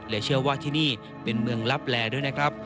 เชื่อว่าที่นี่เป็นเมืองลับแลด้วยนะครับ